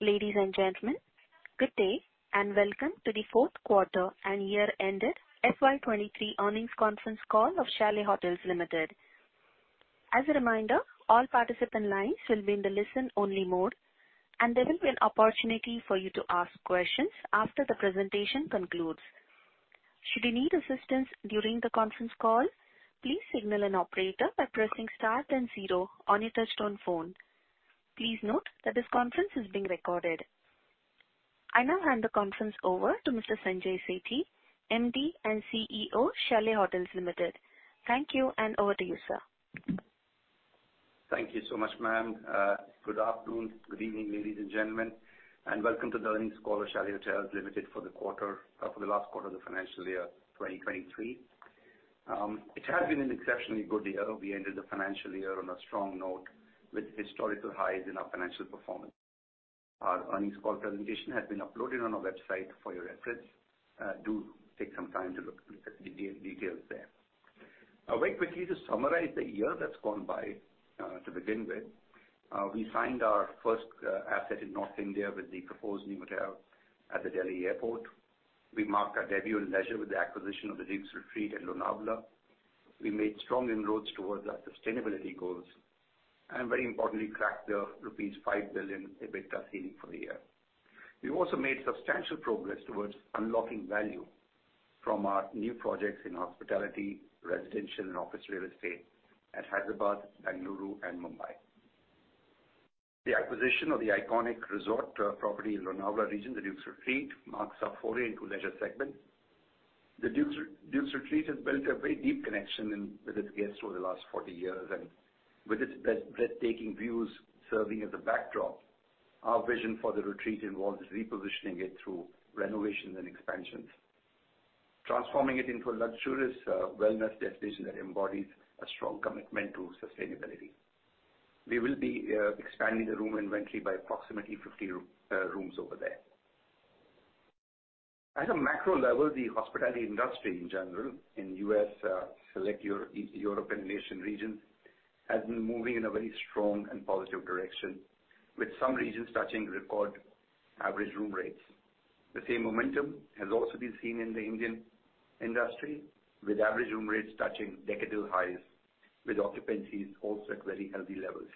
Ladies and gentlemen, good day, and welcome to the fourth quarter and year ended FY 2023 earnings conference call of Chalet Hotels Limited. As a reminder, all participant lines will be in the listen-only mode, and there will be an opportunity for you to ask questions after the presentation concludes. Should you need assistance during the conference call, please signal an operator by pressing star then zero on your touchtone phone. Please note that this conference is being recorded. I now hand the conference over to Mr. Sanjay Sethi, MD and CEO, Chalet Hotels Limited. Thank you, and over to you, sir. Thank you so much, ma'am. good afternoon, good evening, ladies and gentlemen, and welcome to the earnings call of Chalet Hotels Limited for the quarter, for the last quarter of the financial year 2023. It has been an exceptionally good year. We ended the financial year on a strong note with historical highs in our financial performance. Our earnings call presentation has been uploaded on our website for your records. Do take some time to look at the details there. Very quickly to summarize the year that's gone by, to begin with, we signed our first asset in North India with the proposed new hotel at the Delhi Airport. We marked our debut in leisure with the acquisition of The Dukes Retreat in Lonavala. We made strong inroads towards our sustainability goals and very importantly, cracked the rupees 5 billion EBITDA ceiling for the year. We also made substantial progress towards unlocking value from our new projects in hospitality, residential, and office real estate at Hyderabad, Bengaluru, and Mumbai. The acquisition of the iconic resort property in Lonavala region, The Dukes Retreat, marks our foray into leisure segment. The Dukes Retreat has built a very deep connection in with its guests over the last 40 years. With its breathtaking views serving as a backdrop, our vision for the retreat involves repositioning it through renovations and expansions, transforming it into a luxurious wellness destination that embodies a strong commitment to sustainability. We will be expanding the room inventory by approximately 50 rooms over there. At a macro level, the hospitality industry in general in U.S., select European nation regions has been moving in a very strong and positive direction, with some regions touching record average room rates. The same momentum has also been seen in the Indian industry, with average room rates touching decadal highs, with occupancies also at very healthy levels.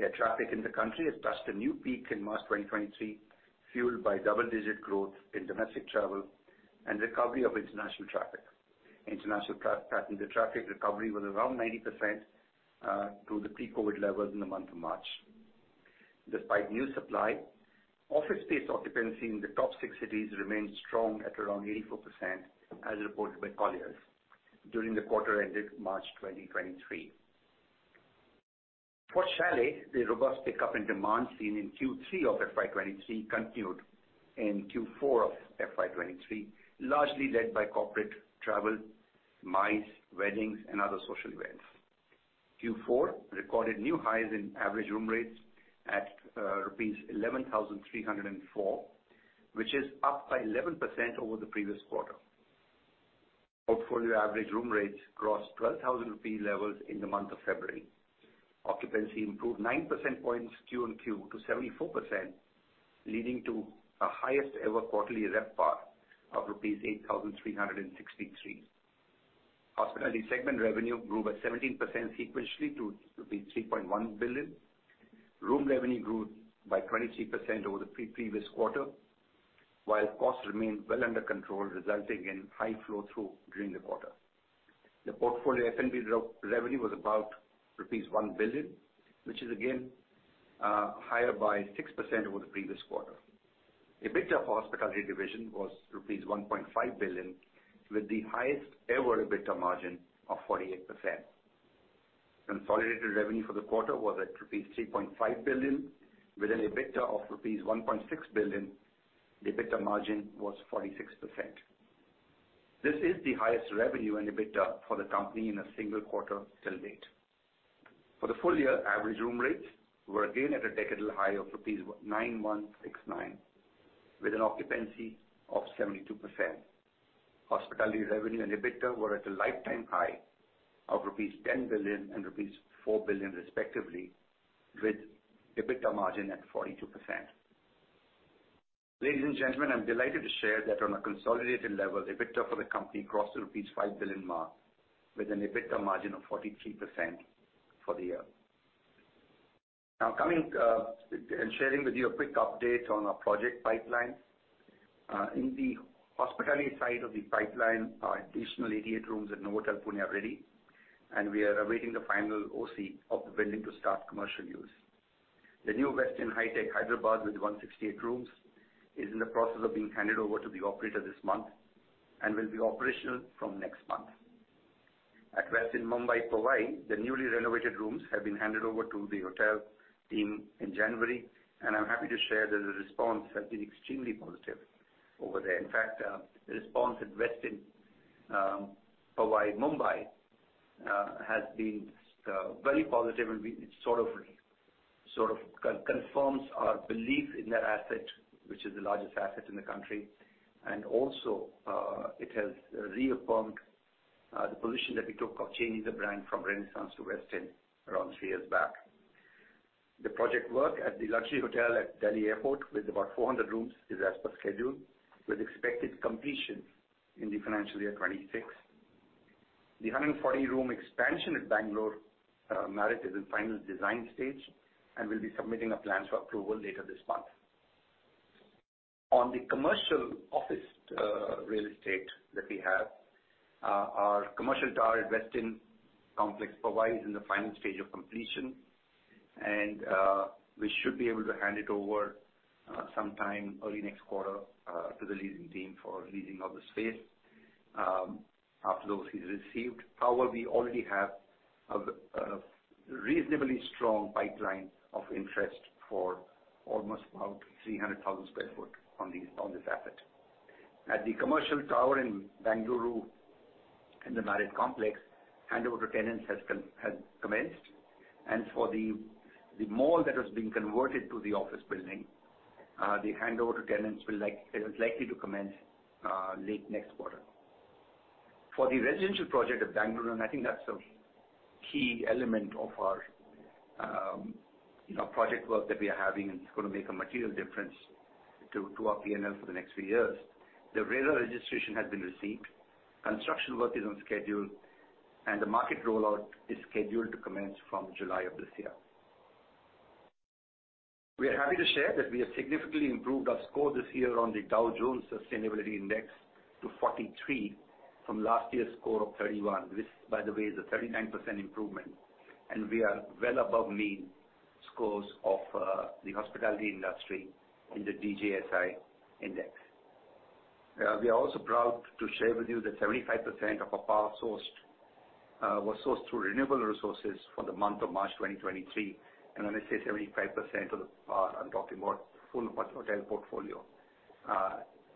Air traffic in the country has touched a new peak in March 2023, fueled by double-digit growth in domestic travel and recovery of international traffic. International passenger traffic recovery was around 90%, to the pre-COVID levels in the month of March. Despite new supply, office space occupancy in the top six cities remained strong at around 84% as reported by Colliers during the quarter ended March 2023. For Chalet, the robust pickup in demand seen in Q3 of FY 2023 continued in Q4 of FY 2023, largely led by corporate travel, MICE, weddings, and other social events. Q4 recorded new highs in average room rates at rupees 11,304, which is up by 11% over the previous quarter. Portfolio average room rates crossed 12,000 rupee levels in the month of February. Occupancy improved 9 percentage points QonQ to 74%, leading to a highest ever quarterly RevPAR of rupees 8,363. Hospitality segment revenue grew by 17% sequentially to rupees 3.1 billion. Room revenue grew by 23% over the pre-previous quarter, while costs remained well under control, resulting in high flow through during the quarter. The portfolio F&B revenue was about rupees 1 billion, which is again, higher by 6% over the previous quarter. EBITDA hospitality division was rupees 1.5 billion, with the highest ever EBITDA margin of 48%. Consolidated revenue for the quarter was at rupees 3.5 billion with an EBITDA of rupees 1.6 billion. The EBITDA margin was 46%. This is the highest revenue and EBITDA for the company in a single quarter till date. For the full year, average room rates were again at a decadal high of rupees 9,169, with an occupancy of 72%. Hospitality revenue and EBITDA were at a lifetime high of rupees 10 billion and rupees 4 billion, respectively, with EBITDA margin at 42%. Ladies and gentlemen, I'm delighted to share that on a consolidated level, EBITDA for the company crossed the rupees 5 billion mark with an EBITDA margin of 43% for the year. Coming and sharing with you a quick update on our project pipeline. In the hospitality side of the pipeline are additional 88 rooms at Novotel Pune, are ready, and we are awaiting the final OC of the building to start commercial use. The new Westin Hyderabad Hitec City, with 168 rooms, is in the process of being handed over to the operator this month and will be operational from next month. At Westin Mumbai Powai, the newly renovated rooms have been handed over to the hotel team in January, and I'm happy to share that the response has been extremely positive over there. The response at Westin Powai has been very positive and it sort of confirms our belief in that asset, which is the largest asset in the country. It has reaffirmed the position that we took of changing the brand from Renaissance to Westin around three years back. The project work at the luxury hotel at Delhi Airport with about 400 rooms is as per schedule with expected completion in the financial year 2026. The 140-room expansion at Bengaluru Marriott is in final design stage. We'll be submitting a plan for approval later this month. On the commercial office real estate that we have, our commercial tower Cignus complex provides in the final stage of completion. We should be able to hand it over sometime early next quarter to the leasing team for leasing of the space after those fees received. However, we already have a reasonably strong pipeline of interest for almost about 300,000 sq ft on this asset. At the commercial tower in Bengaluru in the Marriott complex, handover to tenants has commenced, and for the mall that has been converted to the office building, the handover to tenants is likely to commence late next quarter. For the residential project at Bengaluru, I think that's a key element of our, you know, project work that we are having, and it's gonna make a material difference to our P&L for the next few years. The RERA registration has been received, construction work is on schedule, and the market rollout is scheduled to commence from July of this year. We are happy to share that we have significantly improved our score this year on the Dow Jones Sustainability Index to 43 from last year's score of 31. This, by the way, is a 39% improvement, and we are well above mean scores of the hospitality industry in the DJSI Index. We are also proud to share with you that 75% of our power sourced was sourced through renewable resources for the month of March 2023. When I say 75% of the power, I'm talking about full hotel portfolio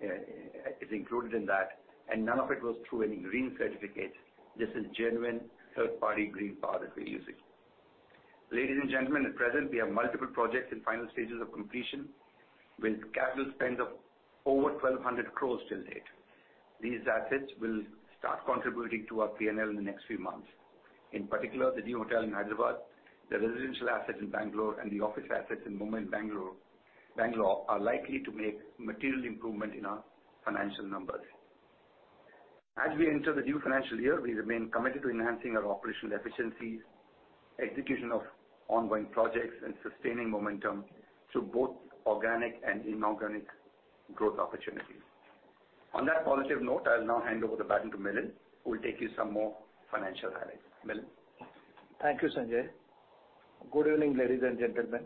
is included in that, and none of it was through any green certificates. This is genuine third-party green power that we're using. Ladies and gentlemen, at present we have multiple projects in final stages of completion with capital spend of over 1,200 crore till date. These assets will start contributing to our P&L in the next few months. In particular, the new hotel in Hyderabad, the residential asset in Bangalore, and the office assets in Mumbai and Bangalore are likely to make material improvement in our financial numbers. As we enter the new financial year, we remain committed to enhancing our operational efficiencies, execution of ongoing projects, and sustaining momentum through both organic and inorganic growth opportunities. On that positive note, I'll now hand over the baton to Milind, who will take you some more financial highlights. Milind? Thank you, Sanjay. Good evening, ladies and gentlemen.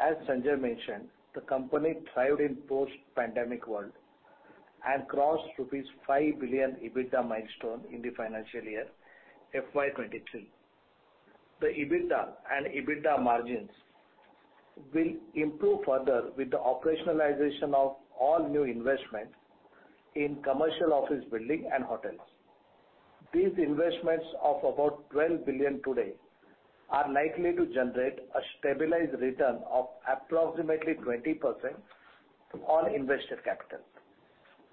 As Sanjay mentioned, the company thrived in post-pandemic world and crossed rupees 5 billion EBITDA milestone in the financial year FY 2022. The EBITDA and EBITDA margins will improve further with the operationalization of all new investment in commercial office building and hotels. These investments of about 12 billion today are likely to generate a stabilized return of approximately 20% on invested capital.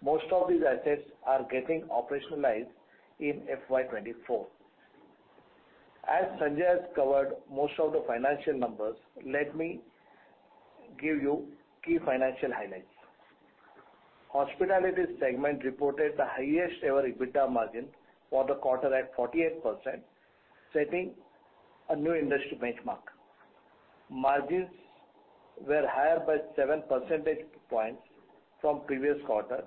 Most of these assets are getting operationalized in FY 2024. As Sanjay has covered most of the financial numbers, let me give you key financial highlights. Hospitality segment reported the highest ever EBITDA margin for the quarter at 48%, setting a new industry benchmark. Margins were higher by 7 percentage points from previous quarter,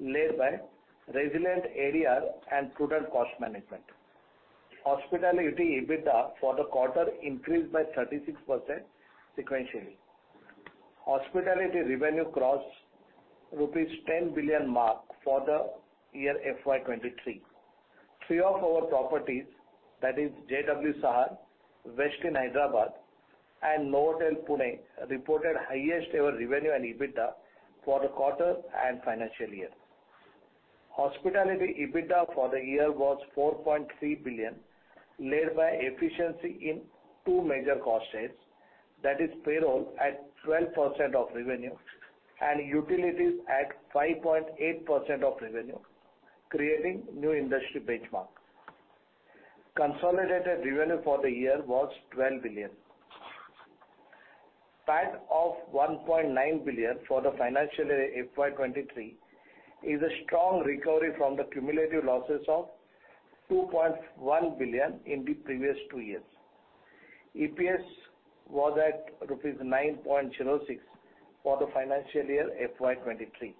led by resilient ADR and prudent cost management. Hospitality EBITDA for the quarter increased by 36% sequentially. Hospitality revenue crossed rupees 10 billion mark for the year FY 2023. Three of our properties, that is JW Sahar, Westin Hyderabad, and Novotel Pune, reported highest ever revenue and EBITDA for the quarter and financial year. Hospitality EBITDA for the year was 4.3 billion, led by efficiency in two major cost saves, that is payroll at 12% of revenue and utilities at 5.8% of revenue, creating new industry benchmark. Consolidated revenue for the year was 12 billion. PAT of 1.9 billion for the financial year FY 2023 is a strong recovery from the cumulative losses of 2.1 billion in the previous two years. EPS was at rupees 9.06 for the financial year FY 2023.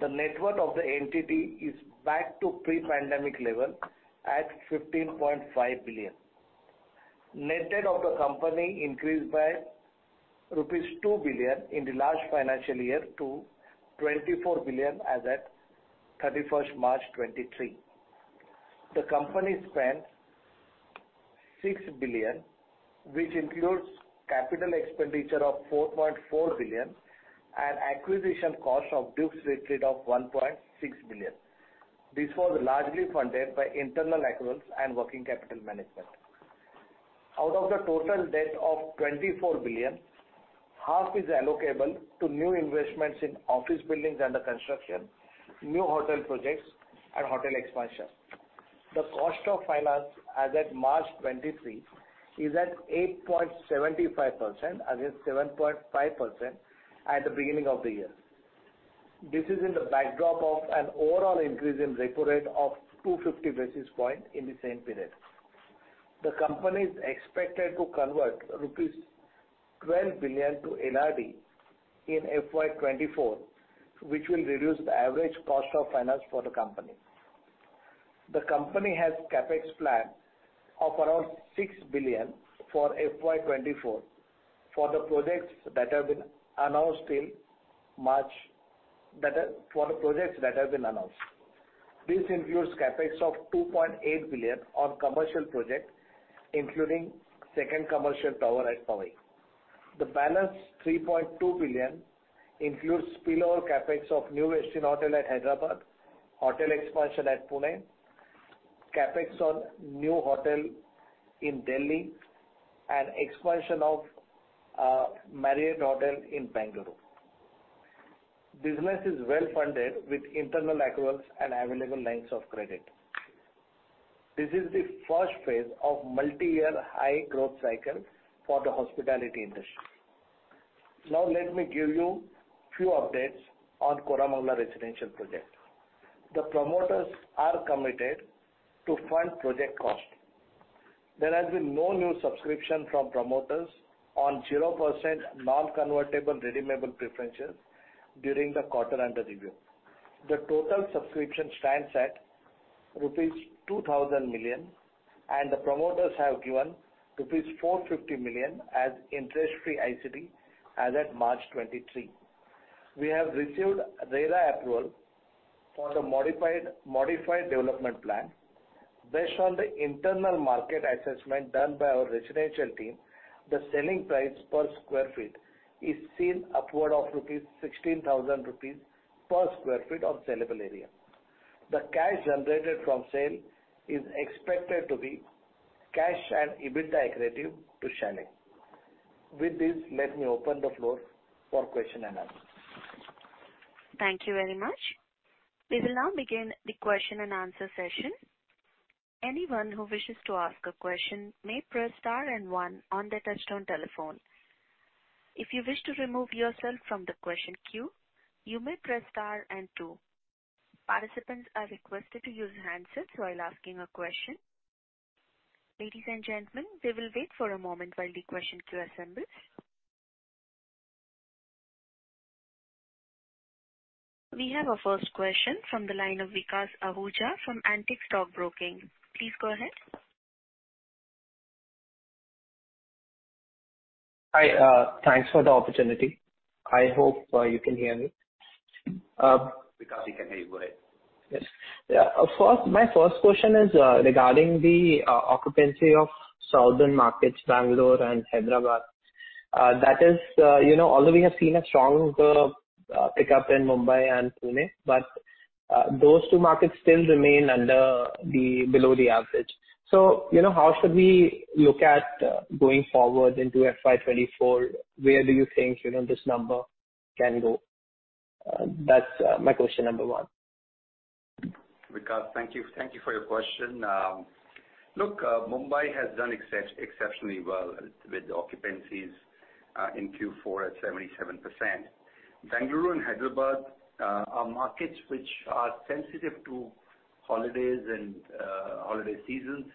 The net worth of the entity is back to pre-pandemic level at 15.5 billion. Net debt of the company increased by rupees 2 billion in the last financial year to 24 billion as at 31st March 2023. The company spent 6 billion, which includes CapEx of 4.4 billion and acquisition cost of The Dukes Retreat of 1.6 billion. This was largely funded by internal accruals and working capital management. Out of the total debt of 24 billion, half is allocable to new investments in office buildings under construction, new hotel projects and hotel expansion. The cost of finance as at March 2023 is at 8.75% against 7.5% at the beginning of the year. This is in the backdrop of an overall increase in repo rate of 250 basis points in the same period. The company is expected to convert rupees 12 billion to NRV in FY 2024, which will reduce the average cost of finance for the company. The company has CapEx plan of around 6 billion for FY 2024 for the projects that have been announced till March for the projects that have been announced. This includes CapEx of 2.8 billion on commercial projects, including second commercial tower at Powai. The balance, 3.2 billion, includes spillover CapEx of new Westin Hotel at Hyderabad, hotel expansion at Pune, CapEx on new hotel in Delhi and expansion of Marriott Hotel in Bengaluru. Business is well funded with internal accruals and available lines of credit. This is the first phase of multiyear high growth cycle for the hospitality industry. Let me give you few updates on Koramangala residential project. The promoters are committed to fund project cost. There has been no new subscription from promoters on 0% non-convertible redeemable preferences during the quarter under review. The total subscription stands at rupees 2,000 million, the promoters have given rupees 450 million as interest-free ICD as at March 2023. We have received RERA approval for the modified development plan. Based on the internal market assessment done by our residential team, the selling price per sq ft is seen upward of 16,000 rupees per sq ft of sellable area. The cash generated from sale is expected to be cash and EBITDA accretive to Chalet. With this, let me open the floor for question and answer. Thank you very much. We will now begin the question-and-answer session. Anyone who wishes to ask a question may press star and one on their touchtone telephone. If you wish to remove yourself from the question queue, you may press star and two. Participants are requested to use handsets while asking a question. Ladies and gentlemen, we will wait for a moment while the question queue assembles. We have our first question from the line of Vikas Ahuja from Antique Stock Broking. Please go ahead. Hi. thanks for the opportunity. I hope, you can hear me. Vikas, we can hear you. Go ahead. Yes. My first question is regarding the occupancy of southern markets, Bangalore and Hyderabad. That is, you know, although we have seen a stronger pickup in Mumbai and Pune, but those two markets still remain below the average. You know, how should we look at going forward into FY 2024? Where do you think, you know, this number can go? That's my question number one. Vikas, thank you. Thank you for your question. Look, Mumbai has done exceptionally well with the occupancies in Q4 at 77%. Bengaluru and Hyderabad are markets which are sensitive to holidays and holiday seasons.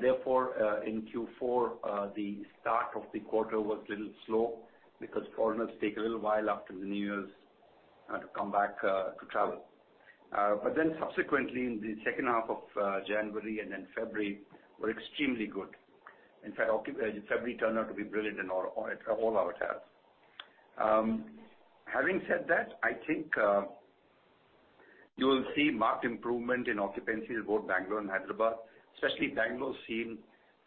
Therefore, in Q4, the start of the quarter was little slow because foreigners take a little while after the New Year's to come back to travel. Subsequently in the second half of January and then February were extremely good. In fact, February turned out to be brilliant in all our hotels. Having said that, I think you'll see marked improvement in occupancies both Bengaluru and Hyderabad. Especially Bengaluru has seen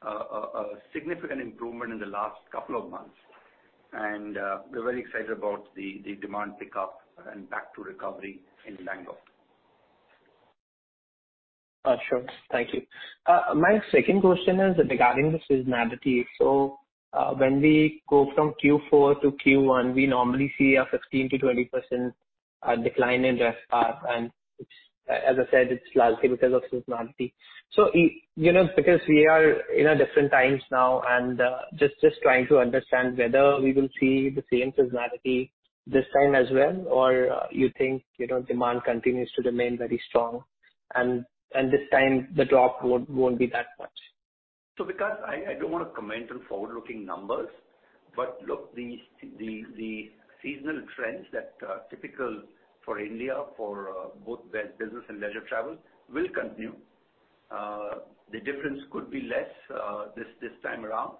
a significant improvement in the last couple of months. We're very excited about the demand pickup and back to recovery in Bengaluru. Sure. Thank you. My second question is regarding the seasonality. When we go from Q4 to Q1, we normally see a 15%-20% decline in RevPAR, and it's, as I said, it's largely because of seasonality. You know, because we are in a different times now and, just trying to understand whether we will see the same seasonality this time as well, or you think, you know, demand continues to remain very strong and this time the drop won't be that much. Vikas, I don't wanna comment on forward-looking numbers, but look, the seasonal trends that are typical for India for both business and leisure travel will continue. The difference could be less this time around.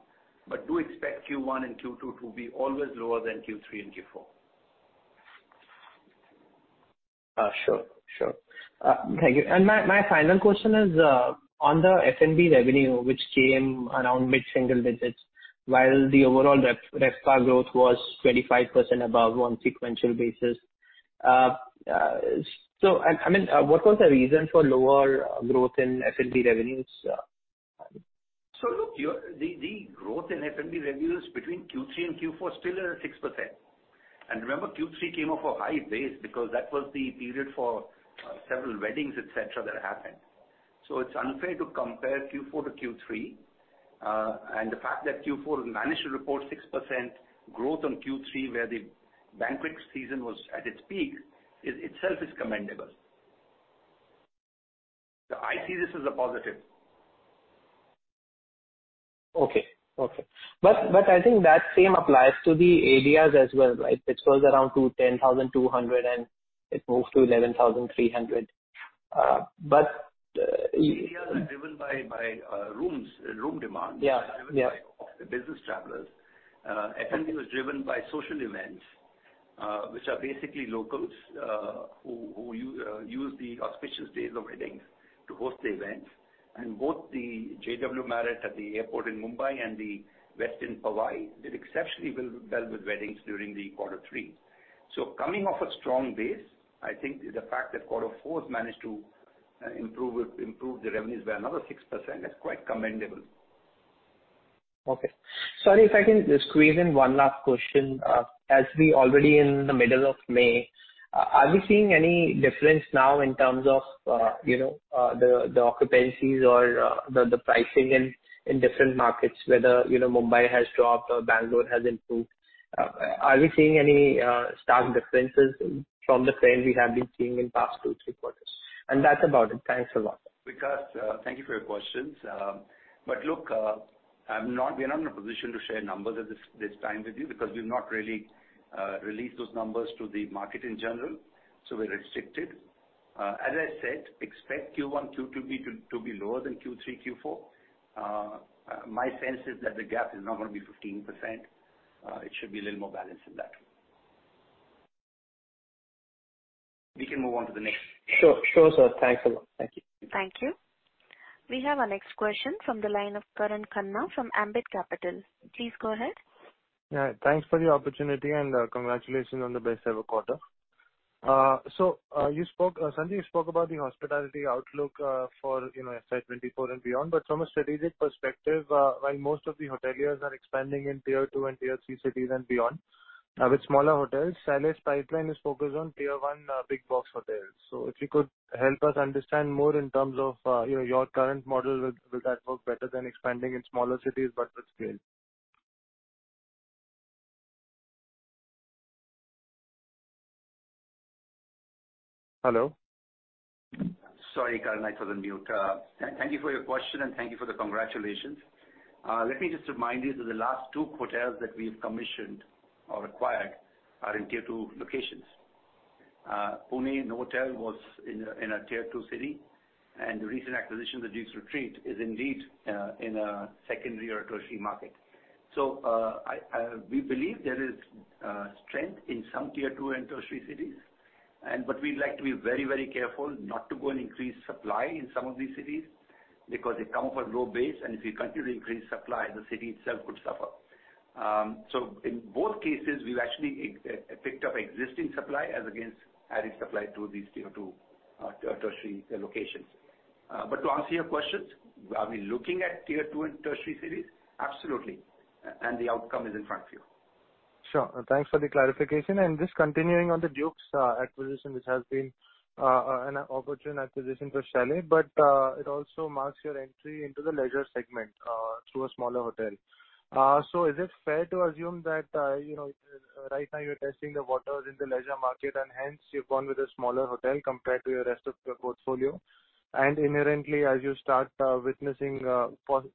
Do expect Q1 and Q2 to be always lower than Q3 and Q4. Sure. Sure. Thank you. My final question is on the F&B revenue, which came around mid-single digits, while the overall RevPAR growth was 25% above on sequential basis. I mean, what was the reason for lower growth in F&B revenues? Look, your the growth in F&B revenues between Q3 and Q4 is still at 6%. Remember, Q3 came off a high base because that was the period for several weddings, et cetera, that happened. It's unfair to compare Q4 to Q3. The fact that Q4 managed to report 6% growth on Q3, where the banquet season was at its peak is itself commendable. I see this as a positive. Okay. I think that same applies to the ADRs as well, right? Which was around 10,200, and it moved to 11,300. ADR is driven by rooms, room demand. Yeah. Yeah. Driven by business travelers. F&B was driven by social events, which are basically locals, who use the auspicious days of weddings to host the events. Both the JW Marriott at the airport in Mumbai and the Westin Powai did exceptionally well with weddings during the quarter three. Coming off a strong base, I think the fact that quarter four has managed to improve the revenues by another 6% is quite commendable. Okay. Sorry, if I can squeeze in one last question. As we already in the middle of May, are we seeing any difference now in terms of, you know, the occupancies or the pricing in different markets, whether, you know, Mumbai has dropped or Bengaluru has improved? Are we seeing any stark differences from the trend we have been seeing in past two, three quarters? That's about it. Thanks a lot. Vikas, thank you for your questions. Look, we're not in a position to share numbers at this time with you because we've not really released those numbers to the market in general, so we're restricted. As I said, expect Q1, Q2 to be lower than Q3, Q4. My sense is that the gap is not gonna be 15%, it should be a little more balanced than that. We can move on to the next. Sure. Sure, sir. Thanks a lot. Thank you. Thank you. We have our next question from the line of Karan Khanna from Ambit Capital. Please go ahead. Yeah. Thanks for the opportunity and congratulations on the best ever quarter. You spoke, Sanjay, you spoke about the hospitality outlook for, you know, FY 2024 and beyond, but from a strategic perspective, while most of the hoteliers are expanding in tier two and tier three cities and beyond, with smaller hotels, Chalet's pipeline is focused on tier one, big box hotels. If you could help us understand more in terms of, you know, your current model with, will that work better than expanding in smaller cities, but with scale? Hello? Sorry, Karan, I was on mute. Thank you for your question, and thank you for the congratulations. Let me just remind you that the last two hotels that we've commissioned or acquired are in Tier two locations. Pune Novotel was in a Tier two city, and the recent acquisition, the Dukes Retreat, is indeed in a secondary or tertiary market. We believe there is strength in some Tier two and tertiary cities. But we'd like to be very, very careful not to go and increase supply in some of these cities because they come off a low base, and if you continue to increase supply, the city itself could suffer. In both cases, we've actually picked up existing supply as against adding supply to these Tier two tertiary locations. To answer your questions, are we looking at Tier two and tertiary cities? Absolutely. The outcome is in front of you. Sure. Thanks for the clarification. Just continuing on the Dukes acquisition, which has been an opportune acquisition for Chalet, it also marks your entry into the leisure segment through a smaller hotel. Is it fair to assume that, you know, right now you're testing the waters in the leisure market and hence you've gone with a smaller hotel compared to your rest of your portfolio? Inherently, as you start witnessing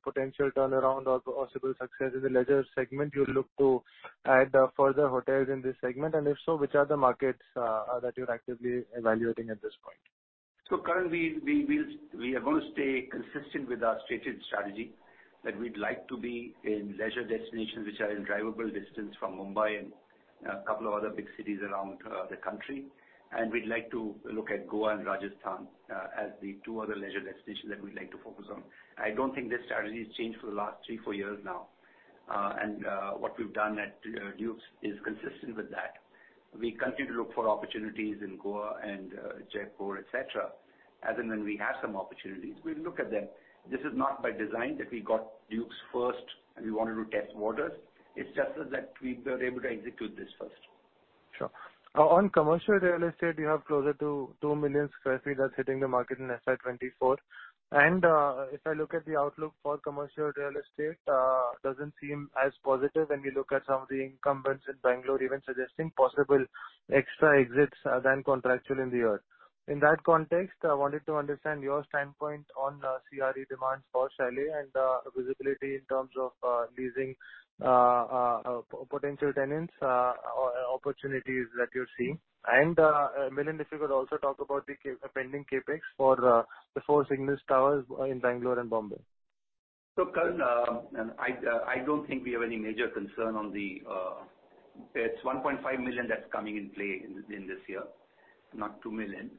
potential turnaround or possible success in the leisure segment, you look to add further hotels in this segment? If so, which are the markets that you're actively evaluating at this point? Karan, we are gonna stay consistent with our stated strategy that we'd like to be in leisure destinations which are in drivable distance from Mumbai and a couple of other big cities around the country. We'd like to look at Goa and Rajasthan as the two other leisure destinations that we'd like to focus on. I don't think this strategy has changed for the last three, four years now. What we've done at Dukes is consistent with that. We continue to look for opportunities in Goa and Jaipur, et cetera. As and when we have some opportunities, we'll look at them. This is not by design that we got Dukes first, and we wanted to test waters. It's just that we were able to execute this first. Sure. On commercial real estate, you have closer to 2 million sq ft that's hitting the market in FY 2024. If I look at the outlook for commercial real estate, doesn't seem as positive when we look at some of the incumbents in Bengaluru even suggesting possible extra exits than contractual in the year. In that context, I wanted to understand your standpoint on CRE demands for Chalet and visibility in terms of leasing potential tenants, opportunities that you're seeing. Milind, if you could also talk about the pending CapEx for the four Cignus towers in Bengaluru and Mumbai. Karan, I don't think we have any major concern on the, it's 1.5 million that's coming in play in this year. Not 2 million.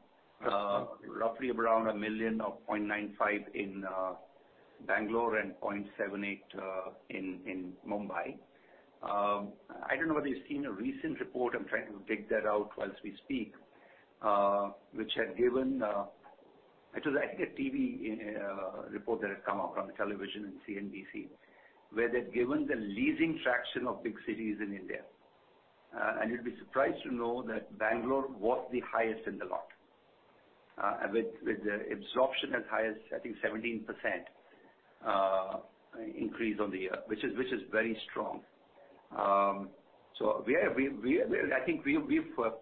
Roughly around 1 million or 0.95 in Bengaluru and 0.78 in Mumbai. I don't know whether you've seen a recent report, I'm trying to dig that out whilst we speak, which had given. It was, I think, a TV report that had come out from the television in CNBC, where they've given the leasing fraction of big cities in India. You'd be surprised to know that Bengaluru was the highest in the lot, with the absorption as high as, I think, 17% increase on the year, which is very strong. I think we've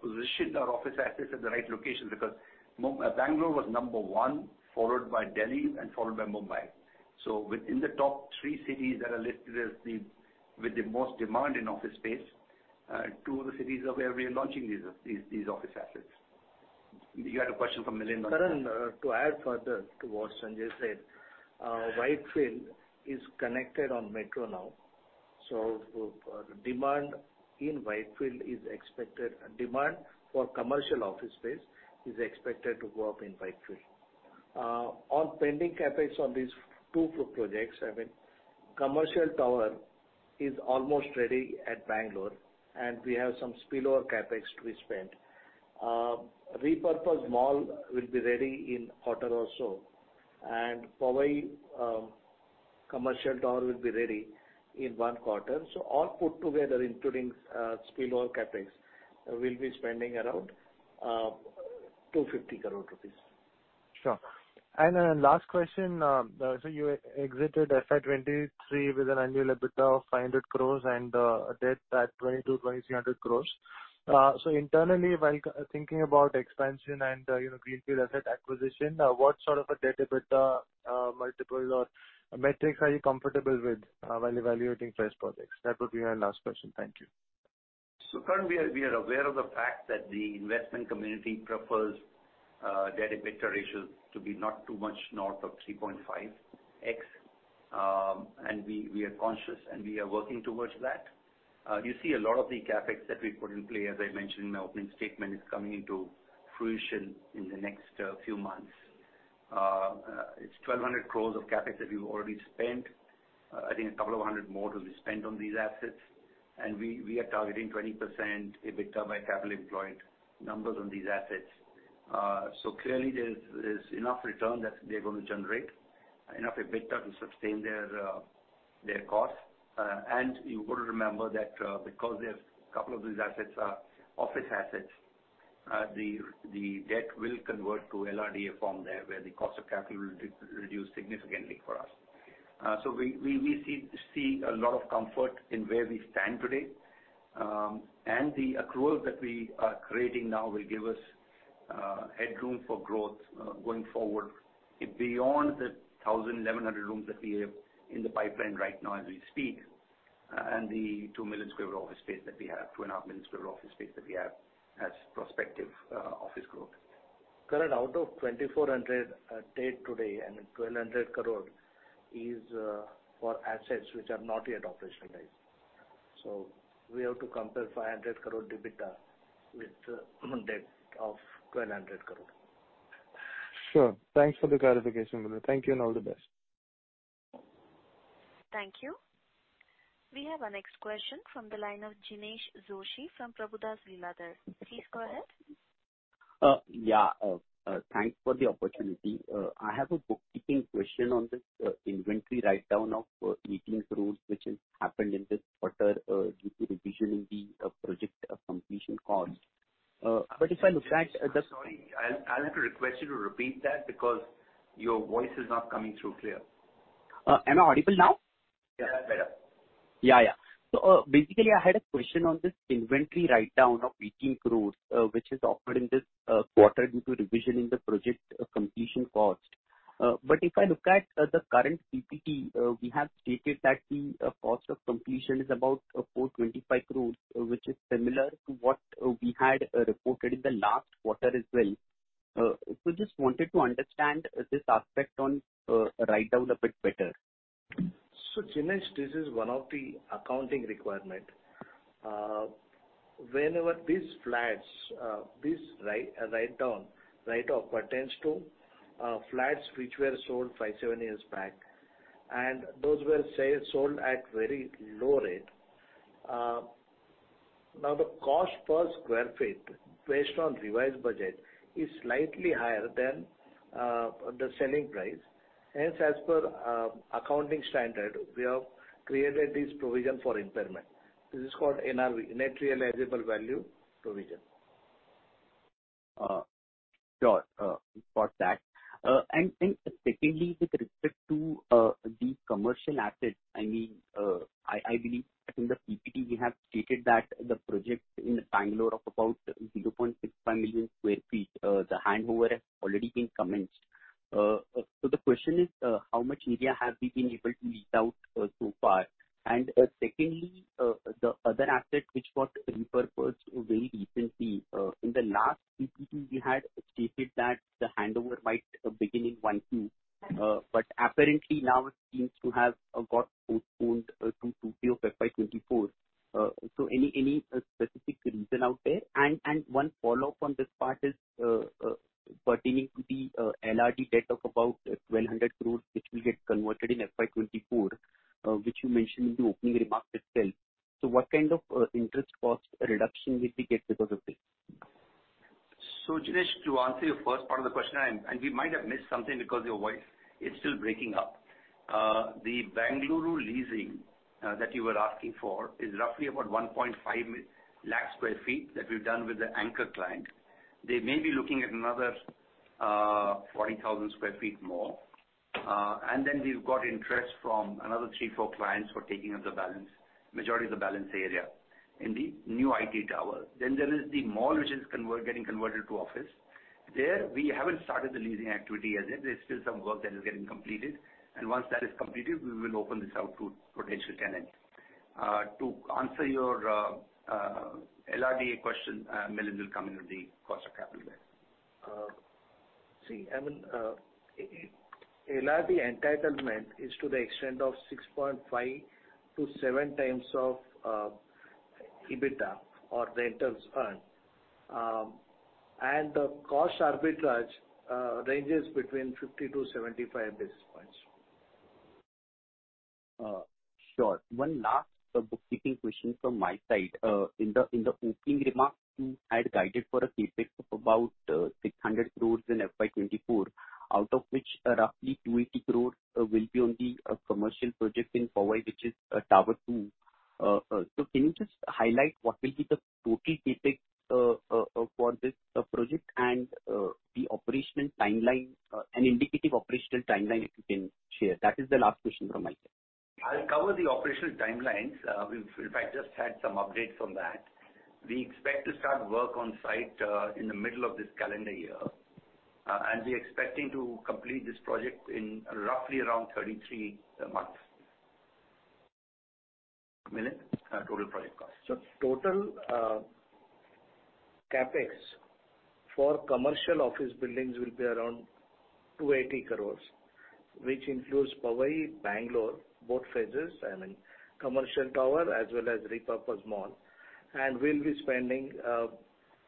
positioned our office assets at the right location because BengaluruBangalore was number one, followed by Delhi and followed by Mumbai. Within the top three cities that are listed as with the most demand in office space, two of the cities are where we are launching these office assets. You had a question from Milind. Karan, to add further to what Sanjay said, Whitefield is connected on Metro now, so demand for commercial office space is expected to go up in Whitefield. On pending CapEx on these two projects, I mean, commercial tower is almost ready at Bengaluru, and we have some spillover CapEx to be spent. Repurposed mall will be ready in quarter or so. Powai, commercial tower will be ready in one quarter. All put together, including spillover CapEx, we'll be spending around 250 crore rupees. Sure. Last question. You exited FY 2023 with an annual EBITDA of 500 crores and a debt at 2,000-2,300 crores. Internally, while thinking about expansion and, you know, greenfield asset acquisition, what sort of a debt EBITDA multiples or metrics are you comfortable with while evaluating first projects? That would be my last question. Thank you. Karan, we are aware of the fact that the investment community prefers debt EBITDA ratio to be not too much north of 3.5x. We are conscious, and we are working towards that. You see a lot of the CapEx that we put in play, as I mentioned in my opening statement, is coming to fruition in the next few months. It's 1,200 crores of CapEx that we've already spent. I think 200 crores more to be spent on these assets. We are targeting 20% EBITDA by capital employed numbers on these assets. Clearly there's enough return that they're gonna generate, enough EBITDA to sustain their costs. You got to remember that because a couple of these assets are office assets, the debt will convert to LRD from there, where the cost of capital will re-reduce significantly for us. We see a lot of comfort in where we stand today. The accrual that we are creating now will give us headroom for growth going forward beyond the 1,000, 1,100 rooms that we have in the pipeline right now as we speak, and the 2 million sq ft office space that we have, 2.5 million sq ft office space that we have as prospective office growth. Karan, out of 2,400 crore debt today and 1,200 crore is for assets which are not yet operationalized. We have to compare 500 crore EBITDA with debt of 1,200 crore. Sure. Thanks for the clarification. Thank you, and all the best. Thank you. We have our next question from the line of Jinesh Joshi from Prabhudas Lilladher. Please go ahead. Yeah, thanks for the opportunity. I have a bookkeeping question on this inventory write down of 18 crores, which has happened in this quarter, due to revision in the project completion cost. If I look at the. Sorry, I'll have to request you to repeat that because your voice is not coming through clear. Am I audible now? Yeah, better. Yeah, yeah. Basically, I had a question on this inventory write down of 18 crores, which has occurred in this quarter due to revision in the project completion cost. If I look at the current PPT, we have stated that the cost of completion is about 425 crores, which is similar to what we had reported in the last quarter as well. Just wanted to understand this aspect on write down a bit better. Jinesh, this is one of the accounting requirement. Whenever these flats, write down, write off pertains to flats which were sold five, seven years back, and those were sold at very low rate. Now the cost per sq ft based on revised budget is slightly higher than the selling price. question, and we might have missed something because your voice is still breaking up. The Bengaluru leasing that you were asking for is roughly about 1.5 lakh sq ft that we've done with the anchor client. They may be looking at another 40,000 sq ft more. We've got interest from another three, four clients for taking up the balance, majority of the balance area in the new IT tower. There is the mall which is getting converted to office. We haven't started the leasing activity as yet. There's still some work that is getting completed, and once that is completed, we will open this out to potential tenants. To answer your LRD question, Milind will come in on the cost of capital there. See, I mean, LRD entitlement is to the extent of 6.5-7x of EBITDA or rentals earned. The cost arbitrage ranges between 50-75 basis points. Sure. One last bookkeeping question from my side. In the opening remarks, you had guided for a CapEx of about 600 crore in FY 2024, out of which roughly 280 crore will be on the commercial project in Powai, which is tower two. Can you just highlight what will be the total CapEx for this project and the operational timeline, an indicative operational timeline if you can share? That is the last question from my side. I'll cover the operational timelines. We've actually just had some updates on that. We expect to start work on site in the middle of this calendar year, and we're expecting to complete this project in roughly around 33 months. Milind, total project cost. Total CapEx for commercial office buildings will be around 280 crores, which includes Powai, Bengaluru, both phases, I mean, commercial tower as well as repurposed mall. We'll be spending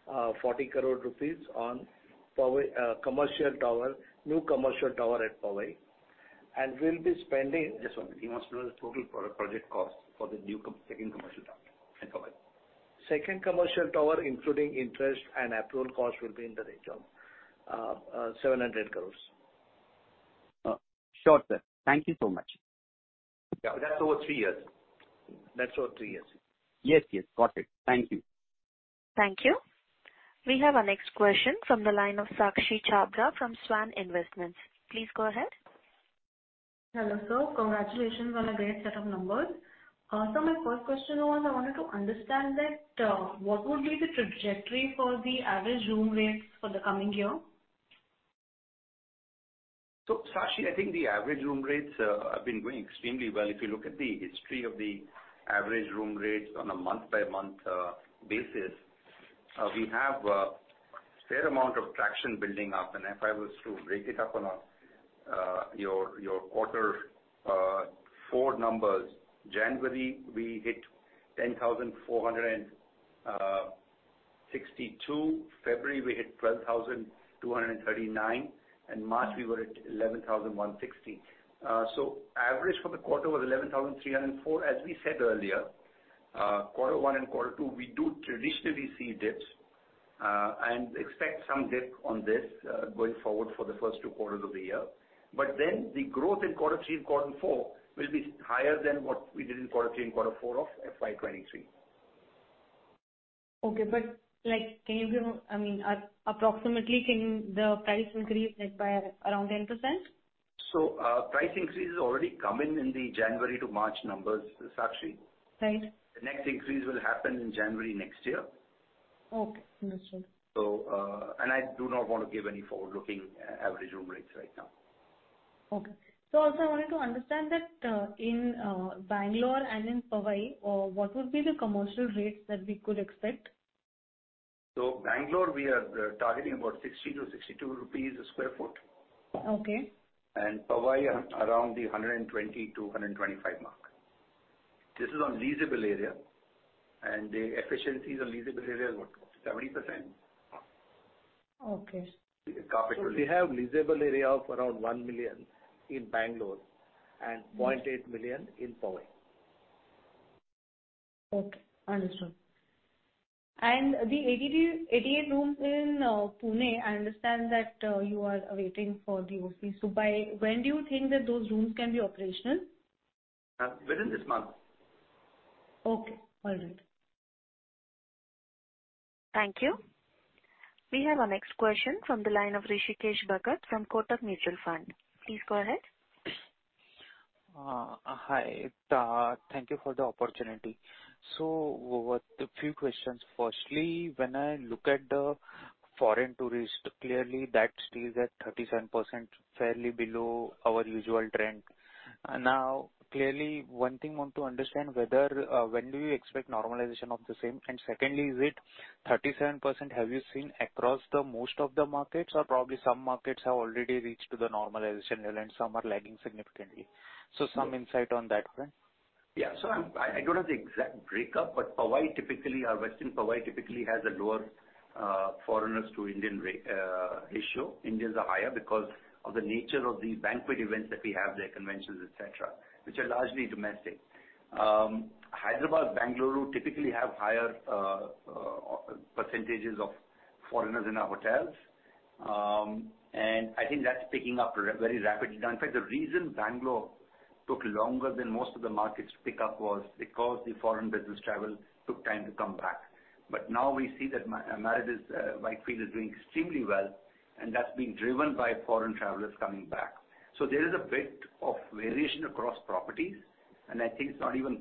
40 crore rupees on Powai commercial tower, new commercial tower at Powai. We'll be spending. Just one minute. He wants to know the total project cost for the new second commercial tower in Powai. Second commercial tower, including interest and approval costs, will be in the range of 700 crores. Sure, sir. Thank you so much. Yeah. That's over three years. That's over three years. Yes, yes. Got it. Thank you. Thank you. We have our next question from the line of Sakshi Chhabra from Swan Investments. Please go ahead. Hello, sir. Congratulations on a great set of numbers. My first question was, I wanted to understand that, what would be the trajectory for the average room rates for the coming year? Sakshi, I think the average room rates have been doing extremely well. If you look at the history of the average room rates on a month-by-month basis, we have a fair amount of traction building up. If I was to break it up on a your quarter four numbers, January we hit 10,462. February we hit 12,239. In March we were at 11,160. Average for the quarter was 11,304. As we said earlier, quarter one and quarter two, we do traditionally see dips and expect some dip on this going forward for the first two quarters of the year. The growth in quarter three and quarter four will be higher than what we did in quarter three and quarter four of FY 2023. Okay. like, can you give, I mean, approximately can the price increase made by around 10%? Price increase has already come in in the January to March numbers, Sakshi. Right. The next increase will happen in January next year. Okay. Understood. I do not want to give any forward-looking average room rates right now. Okay. Also I wanted to understand that, in Bangalore and in Powai, what would be the commercial rates that we could expect? Bengaluru we are targeting about 60-62 rupees a sq ft. Okay. Powai around the 120-125 mark. This is on leasable area, the efficiency of the leasable area is what, 70%? Okay. The carpet will be- We have leasable area of around 1 million in Bangalore and 0.8 million in Powai. Okay. Understood. The 88 rooms in Pune, I understand that you are awaiting for the OC. By when do you think that those rooms can be operational? Within this month. Okay. All right. Thank you. We have our next question from the line of Hrishikesh Bhagat from Kotak Mutual Fund. Please go ahead. Hi. Thank you for the opportunity. A few questions. Firstly, when I look at the foreign tourist, clearly that still is at 37%, fairly below our usual trend. Now, clearly one thing I want to understand whether, when do you expect normalization of the same? Secondly, is it 37% have you seen across the most of the markets? Or probably some markets have already reached to the normalization level and some are lagging significantly? Some insight on that front. Yeah. I don't have the exact breakup, but Powai typically or Westin Powai typically has a lower foreigners to Indian ratio. Indians are higher because of the nature of the banquet events that we have there, conventions, et cetera, which are largely domestic. Hyderabad, Bengaluru typically have higher percentages of foreigners in our hotels. I think that's picking up very rapidly. In fact, the reason Bengaluru took longer than most of the markets to pick up was because the foreign business travel took time to come back. Now we see that Marriott's Whitefield is doing extremely well, and that's being driven by foreign travelers coming back. There is a bit of variation across properties, and I think it's not even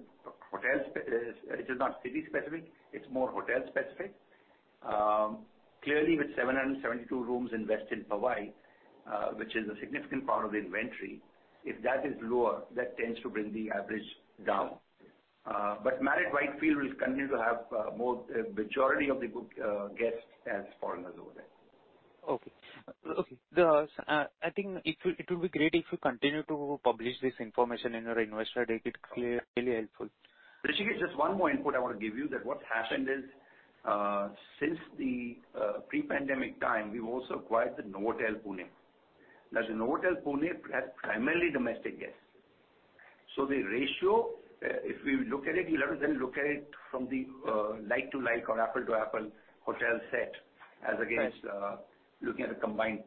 It is not city-specific, it's more hotel-specific. clearly with 772 rooms in Westin Powai, which is a significant part of the inventory, if that is lower, that tends to bring the average down. Marriott Whitefield will continue to have, more, majority of the book, guests as foreigners over there. Okay. Okay. I think it will be great if you continue to publish this information in your investor deck. It really helpful. Hrishikesh, just one more input I want to give you that what's happened is, since the pre-pandemic time, we've also acquired the Novotel Pune. Now, the Novotel Pune has primarily domestic guests. The ratio, if we look at it, we'll have to then look at it from the like-to-like or apple-to-apple hotel set. Right. looking at a combined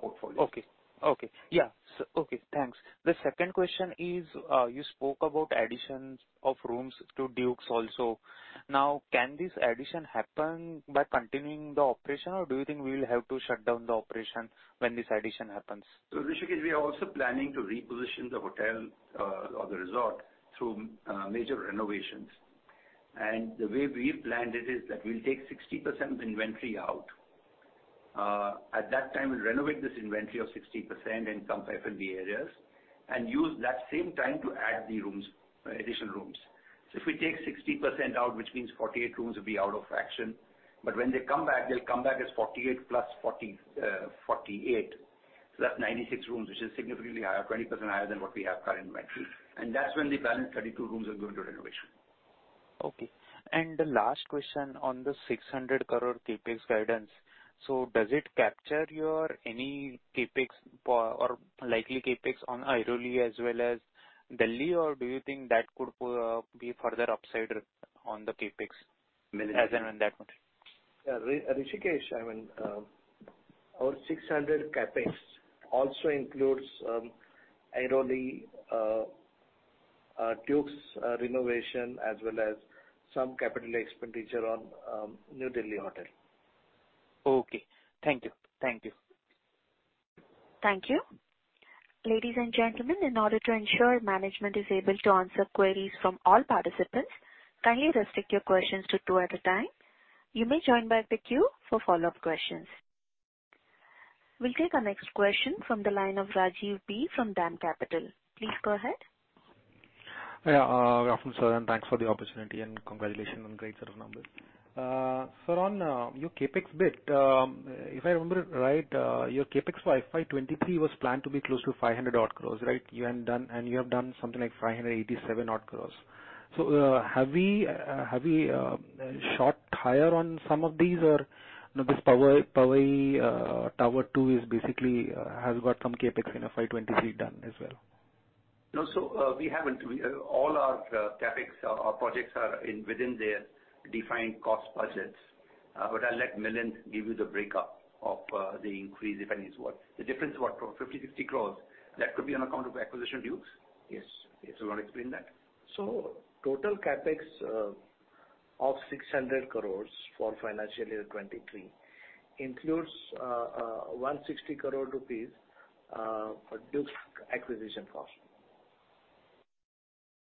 portfolio. Okay. Okay. Yeah. Okay, thanks. The second question is, you spoke about additions of rooms to Dukes also. Can this addition happen by continuing the operation, or do you think we'll have to shut down the operation when this addition happens? Hrishikesh, we are also planning to reposition the hotel, or the resort through major renovations. The way we've planned it is that we'll take 60% of inventory out. At that time we'll renovate this inventory of 60% in some F&B areas and use that same time to add the rooms, additional rooms. If we take 60% out, which means 48 rooms will be out of action, but when they come back, they'll come back as 48+40, 48. That's 96 rooms, which is significantly higher, 20% higher than what we have current inventory. That's when the balance 32 rooms will go into renovation. Okay. The last question on the 600 crore CapEx guidance. Does it capture your any CapEx or likely CapEx on Airoli as well as Delhi, or do you think that could be further upside on the CapEx as and when that comes in? Yeah. Hrishikesh, I mean, our INR 600 CapEx also includes Airoli, Dukes renovation as well as some capital expenditure on New Delhi hotel. Okay. Thank you. Thank you. Thank you. Ladies and gentlemen, in order to ensure management is able to answer queries from all participants, kindly restrict your questions to two at a time. You may join back the queue for follow-up questions. We'll take our next question from the line of Rajiv B from DAM Capital. Please go ahead. Yeah. Good afternoon, sir, and thanks for the opportunity, and congratulations on great set of numbers. Sir, on your CapEx bit, if I remember it right, your CapEx for FY 2023 was planned to be close to 500 odd crores, right? You have done something like 587 odd crores. Have we, have we shot higher on some of these or, you know, this Powai tower two is basically has got some CapEx in FY 2023 done as well. No. We haven't. We all our CapEx or projects are in within their defined cost budgets. I'll let Milind give you the breakup of the increase, if any, is what. The difference what? 50-60 crores? That could be on account of acquisition Dukes. Yes. You wanna explain that? Total CapEx of 600 crore for financial year 2023 includes 160 crore rupees for Dukes acquisition cost.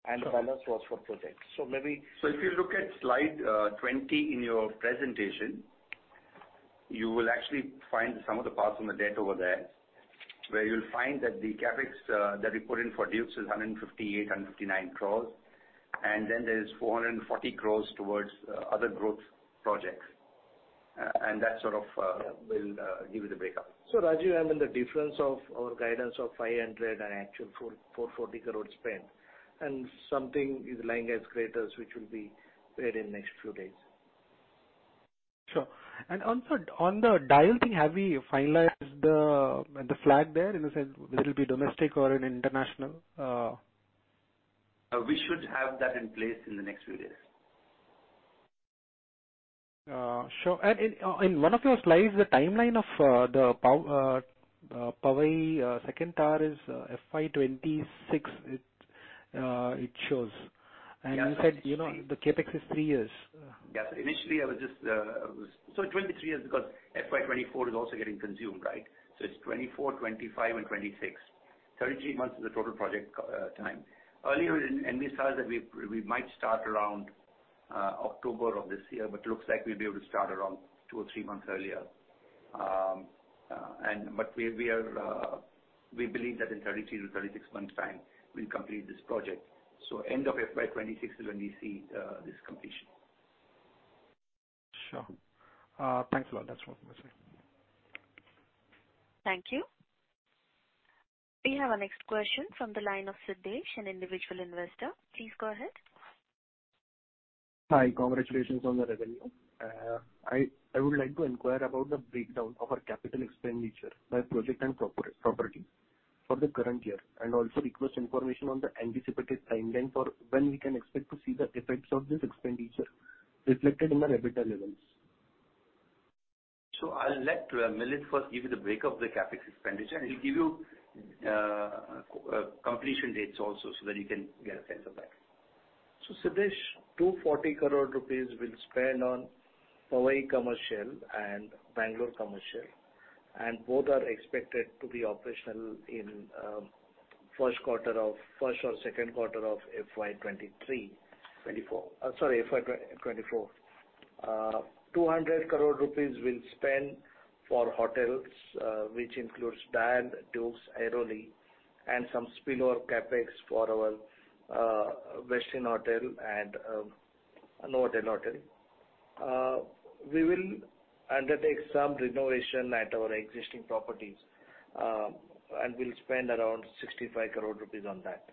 Sure. The balance was for projects. If you look at slide, 20 in your presentation, you will actually find the sum of the parts and the debt over there, where you'll find that the CapEx, that we put in for Dukes is 158-159 crores, and then there's 440 crores towards, other growth projects. That sort of, will, give you the breakup. Rajiv, I mean, the difference of our guidance of 500 and actual 440 crores spent, and something is lying as creditors, which will be paid in next few days. Sure. Also on the DIAL thing, have we finalized the flag there in the sense whether it'll be domestic or an international? We should have that in place in the next few days. Sure. In one of your slides, the timeline of Powai second tower is FY 2026 it shows. Yeah. You said, you know, the CapEx is three years. Initially I was, it will be three years because FY 2024 is also getting consumed, right? It's 2024, 2025 and 2026. 33 months is the total project time. We might start around October of this year, looks like we'll be able to start around two or three months earlier. We are, we believe that in 33 to 36 months time we'll complete this project. End of FY 2026 is when we see this completion. Thanks a lot. That's what I'm gonna say. Thank you. We have our next question from the line of Siddesh, an individual investor. Please go ahead. Hi. Congratulations on the revenue. I would like to inquire about the breakdown of our capital expenditure by project and property for the current year. Also request information on the anticipated timeline for when we can expect to see the effects of this expenditure reflected in the EBITDA levels. I'll let Milind first give you the break of the CapEx expenditure, and he'll give you completion dates also, so that you can get a sense of that. Siddesh, 240 crore rupees we'll spend on Powai commercial and Bangalore commercial, and both are expected to be operational in first or second quarter of FY 2023. 2024. Sorry, FY 2024. 200 crore rupees we'll spend for hotels, which includes DIAL, Dukes Airoli and some spillover CapEx for our Westin Hotel and Novotel Hotel. We will undertake some renovation at our existing properties and we'll spend around 65 crore rupees on that.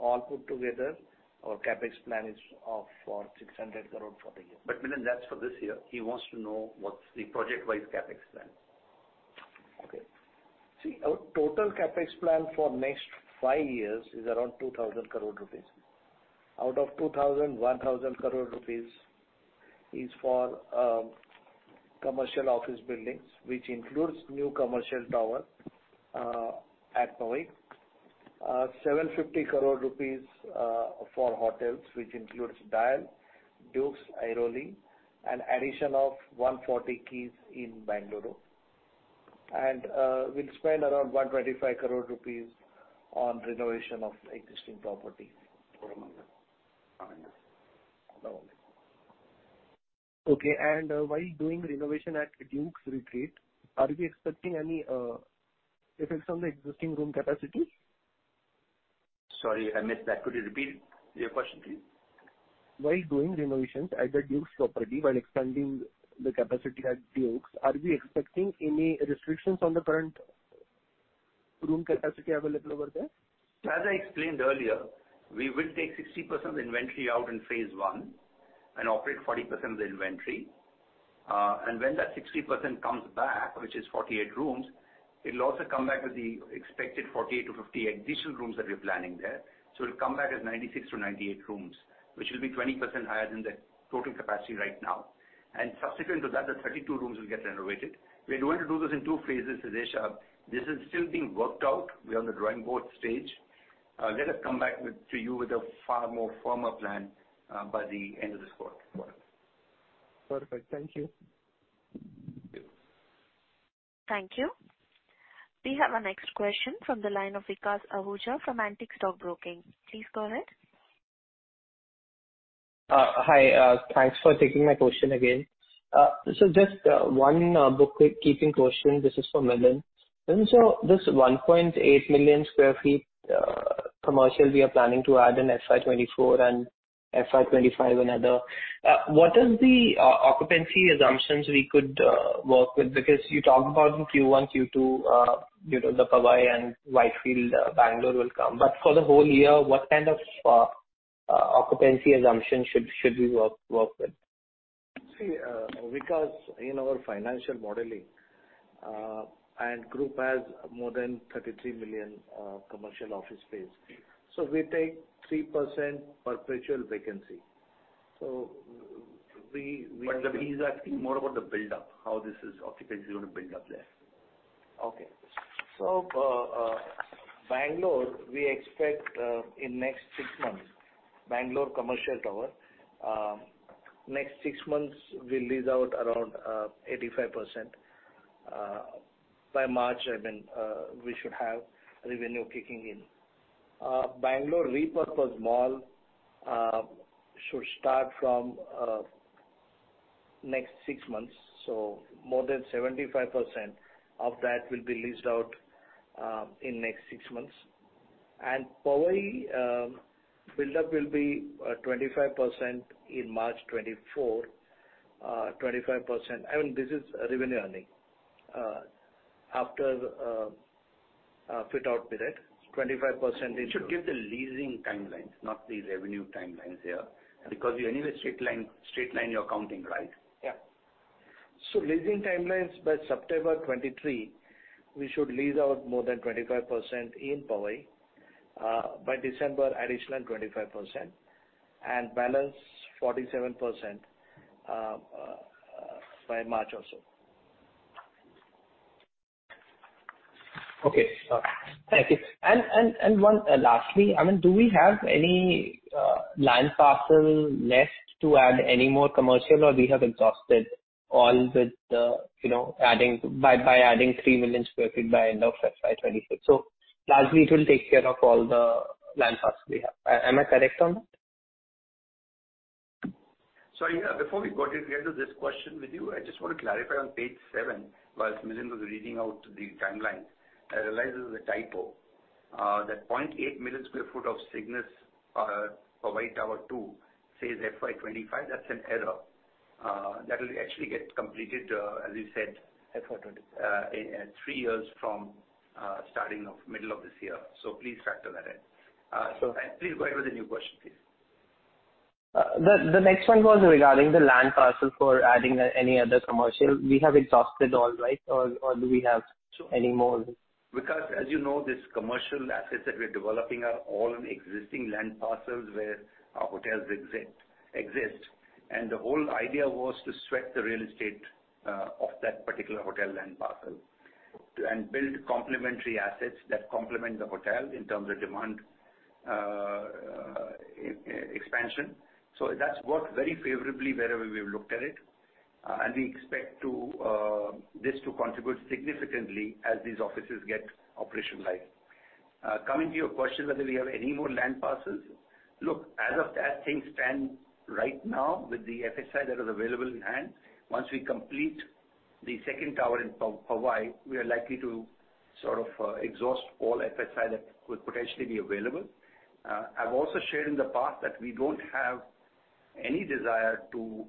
All put together our CapEx plan is for 600 crore for the year. Milind that's for this year. He wants to know what's the project-wise CapEx plan. Okay. See, our total CapEx plan for next five years is around 2,000 crore rupees. Out of 2,000, 1,000 crore rupees is for commercial office buildings, which includes new commercial tower at Powai. 750 crore rupees for hotels, which includes DIAL, Dukes Airoli, an addition of 140 keys in Bengaluru. We'll spend around 125 crore rupees on renovation of existing properties. Okay. While doing renovation at The Dukes Retreat, are we expecting any effects on the existing room capacity? Sorry, I missed that. Could you repeat your question please? While doing renovations at the Dukes property, while expanding the capacity at Dukes, are we expecting any restrictions on the current room capacity available over there? As I explained earlier, we will take 60% of the inventory out in phase one and operate 40% of the inventory. When that 60% comes back, which is 48 rooms, it'll also come back with the expected 48-50 additional rooms that we're planning there. It'll come back as 96-98 rooms, which will be 20% higher than the total capacity right now. Subsequent to that, the 32 rooms will get renovated. We're going to do this in two phases, Siddesh. This is still being worked out. We're on the drawing board stage. Let us come back to you with a far more firmer plan by the end of this quarter. Perfect. Thank you. Thank you. Thank you. We have our next question from the line of Vikas Ahuja from Antique Stock Broking. Please go ahead. Hi. Thanks for taking my question again. just one bookkeeping question. This is for Milind. Milind, this 1.8 million sq ft commercial we are planning to add in FY 2024 and FY 2025 another. What is the occupancy assumptions we could work with? Because you talked about in Q1, Q2, you know, the Powai and Whitefield, Bengaluru will come. For the whole year, what kind of occupancy assumption should we work with? Vikas, in our financial modeling, and group has more than 33 million commercial office space. we. He's asking more about the buildup, how this is occupancy gonna build up there. Okay. Bengaluru we expect in next six months, Bengaluru commercial tower, next six months we'll lease out around 85%. by March, I mean, we should have revenue kicking in. Bengaluru repurposed mall should start from next six months, more than 75% of that will be leased out in next six months. Powai build up will be 25% in March 2024. 25% I mean this is revenue earning. After fit out period, 25% You should give the leasing timelines, not the revenue timelines here. You anyway straight line your accounting, right? Leasing timelines by September 2023, we should lease out more than 25% in Powai. By December additional 25% and balance 47% by March also. Okay. Thank you. One lastly, I mean, do we have any land parcel left to add any more commercial or we have exhausted all with, you know, adding 3 million sq ft by end of FY 2026? Largely it will take care of all the land parcel we have. Am I correct on that? Yeah. Before we go to the end of this question with you, I just want to clarify on page seven, whilst Milind was reading out the timelines, I realized there's a typo. That 0.8 million sq ft of Cignus, Powai Tower two, says FY 2025. That's an error. That'll actually get completed as you said- FY 2020. In three years from starting of middle of this year. Please factor that in. So- Please go ahead with your new question, please. The next one was regarding the land parcel for adding any other commercial. We have exhausted all, right? So- Any more? Vikas, as you know, this commercial assets that we are developing are all on existing land parcels where our hotels exist. The whole idea was to sweat the real estate of that particular hotel land parcel, and build complementary assets that complement the hotel in terms of demand expansion. That's worked very favorably wherever we have looked at it. We expect this to contribute significantly as these offices get operationalized. Coming to your question whether we have any more land parcels. Look, as things stand right now with the FSI that is available in hand, once we complete the second tower in Powai, we are likely to sort of exhaust all FSI that would potentially be available. I've also shared in the past that we don't have any desire to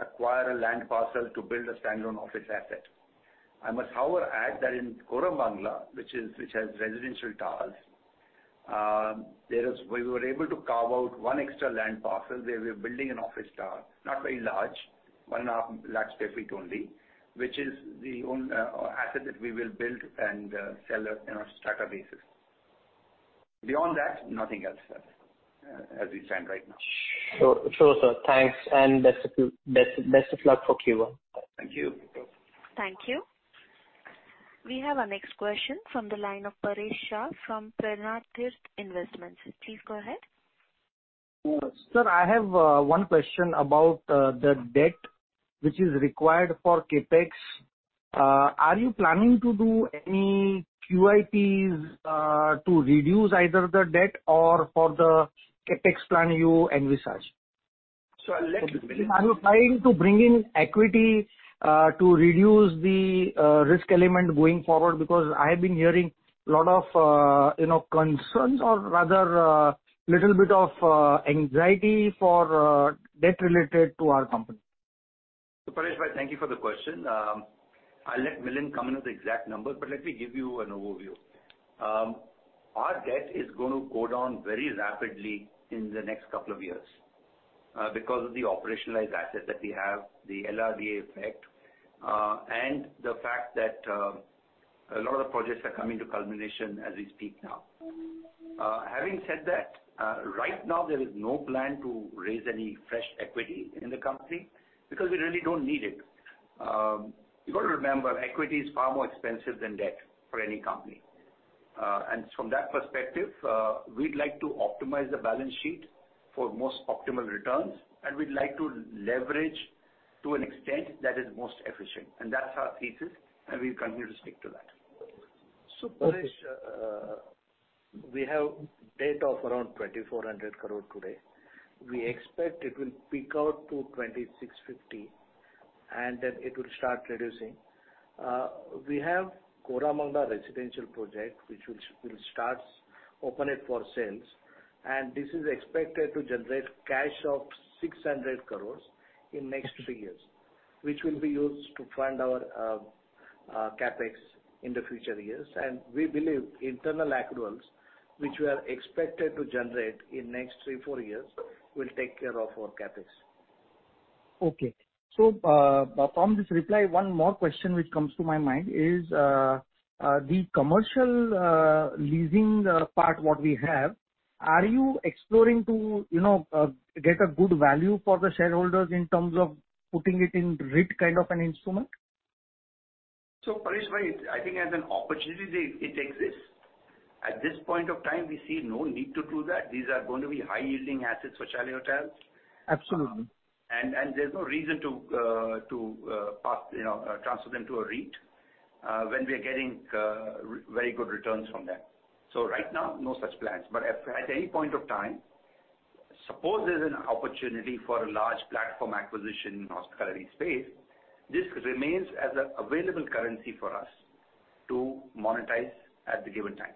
acquire a land parcel to build a standalone office asset. I must, however, add that in Koramangala, which has residential towers, we were able to carve out one extra land parcel where we're building an office tower. Not very large, 1.5 lakhs sq ft only, which is the own asset that we will build and sell at an strata basis. Beyond that, nothing else as we stand right now. Sure, sure, sir. Thanks, and best of luck for Q1. Thank you. Thank you. Thank you. We have our next question from the line of Paresh Shah from Prernatirth Investments. Please go ahead. Sir, I have one question about the debt which is required for CapEx. Are you planning to do any QIPs to reduce either the debt or for the CapEx plan you envisage? I'll let Milind. Are you planning to bring in equity to reduce the risk element going forward? I have been hearing a lot of, you know, concerns or rather, little bit of anxiety for debt related to our company. Paresh, thank you for the question. I'll let Milind come in with the exact numbers, but let me give you an overview. Our debt is gonna go down very rapidly in the next two years, because of the operationalized assets that we have, the LRD effect, and the fact that a lot of the projects are coming to culmination as we speak now. Having said that, right now there is no plan to raise any fresh equity in the company because we really don't need it. You've got to remember, equity is far more expensive than debt for any company. From that perspective, we'd like to optimize the balance sheet for most optimal returns, and we'd like to leverage to an extent that is most efficient. That's our thesis, and we continue to stick to that. So Paresh- Okay. We have debt of around 2,400 crore today. We expect it will peak out to 2,650, and then it will start reducing. We have Koramangala residential project, which we'll starts open it for sales, and this is expected to generate cash of 600 crore in next three years, which will be used to fund our CapEx in the future years. We believe internal accruals, which we are expected to generate in next three, four years, will take care of our CapEx. From this reply, one more question which comes to my mind is the commercial leasing part, what we have, are you exploring to, you know, get a good value for the shareholders in terms of putting it in REIT kind of an instrument? Paresh, I think as an opportunity, it exists. At this point of time, we see no need to do that. These are going to be high-yielding assets for Chalet Hotels. Absolutely. There's no reason to pass, you know, transfer them to a REIT, when we are getting very good returns from them. Right now, no such plans. At any point of time, suppose there's an opportunity for a large platform acquisition in hospitality space, this remains as a available currency for us to monetize at the given time.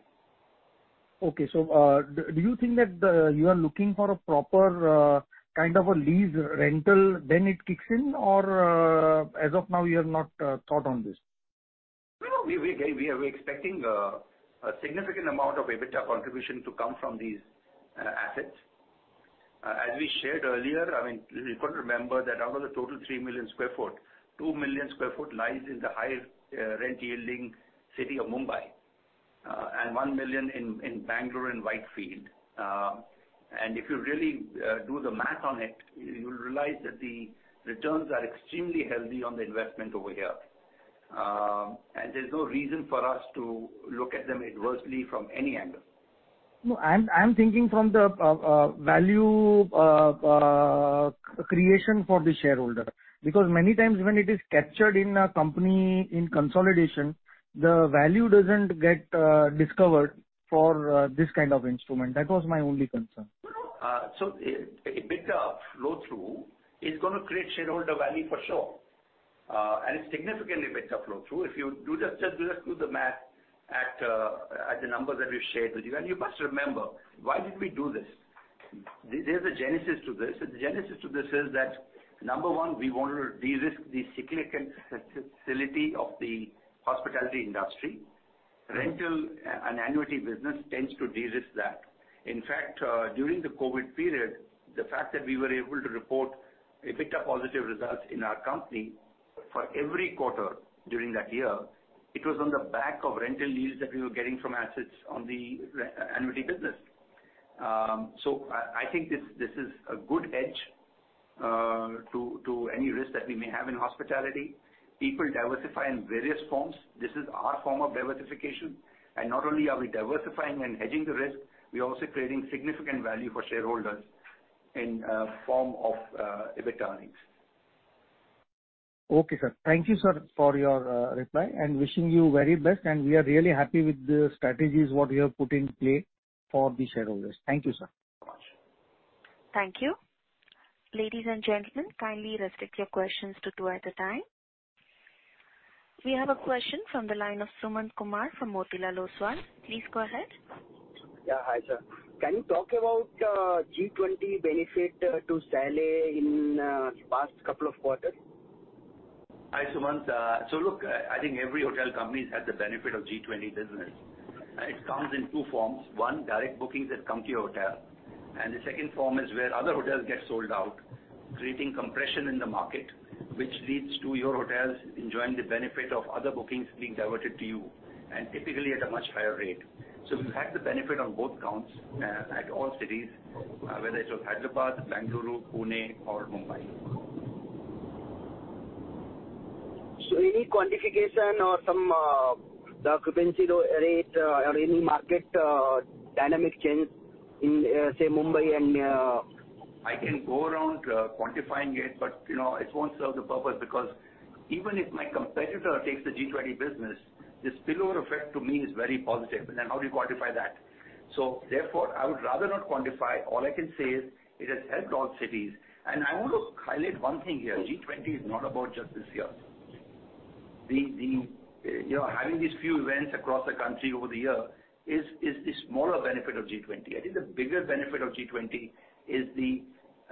Okay. do you think that you are looking for a proper, kind of a lease rental, then it kicks in? As of now, you have not, thought on this? No, no, we are expecting a significant amount of EBITDA contribution to come from these assets. As we shared earlier, I mean, you've got to remember that out of the total 3 million sq ft, 2 million sq ft lies in the high rent-yielding city of Mumbai, and 1 million in Bangalore in Whitefield. If you really do the math on it, you will realize that the returns are extremely healthy on the investment over here. There's no reason for us to look at them adversely from any angle. No, I'm thinking from the value creation for the shareholder. Many times when it is captured in a company in consolidation, the value doesn't get discovered for this kind of instrument. That was my only concern. No, no. EBITDA flow through is gonna create shareholder value for sure. It's significantly better flow through. If you just do the math at the numbers that we've shared with you. You must remember, why did we do this? There's a genesis to this. The genesis to this is that, number one, we wanted to de-risk the cyclical facility of the hospitality industry. Rental and annuity business tends to de-risk that. In fact, during the COVID period, the fact that we were able to report EBITDA positive results in our company for every quarter during that year, it was on the back of rental yields that we were getting from assets on the annuity business. I think this is a good hedge to any risk that we may have in hospitality. People diversify in various forms. This is our form of diversification. Not only are we diversifying and hedging the risk, we're also creating significant value for shareholders in form of EBITDA earnings. Okay, sir. Thank you, sir, for your reply, and wishing you very best. We are really happy with the strategies what you have put in play for the shareholders. Thank you, sir. Thank you so much. Thank you. Ladies and gentlemen, kindly restrict your questions to two at a time. We have a question from the line of Sumant Kumar from Motilal Oswal. Please go ahead. Yeah. Hi sir. Can you talk about G20 benefit to Chalet Hotels in past couple of quarters? Hi, Suman. look, I think every hotel company has the benefit of G20 business. It comes in two forms. One, direct bookings that come to your hotel, and the second form is where other hotels get sold out, creating compression in the market, which leads to your hotels enjoying the benefit of other bookings being diverted to you, and typically at a much higher rate. We've had the benefit on both counts, at all cities, whether it's Hyderabad, Bengaluru, Pune, or Mumbai. Any quantification or some, the occupancy rate or any market dynamic change in, say, Mumbai and? I can go around quantifying it, you know, it won't serve the purpose because even if my competitor takes the G20 business, this spillover effect to me is very positive. How do you quantify that? Therefore, I would rather not quantify. All I can say is it has helped all cities. I want to highlight one thing here. G20 is not about just this year. You know, having these few events across the country over the year is the smaller benefit of G20. I think the bigger benefit of G20 is the